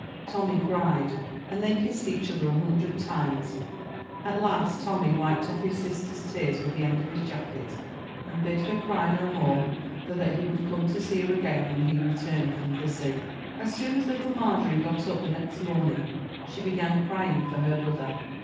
Tommy cried, and they kissed each other a hundred times; at last Tommy wiped off his sis ter's tears with the end of his jacket, and bid her cry no more, for that he would come to her again when he returned from sea. As soon as Little Margery got up the next morn ing she began crying for her brother.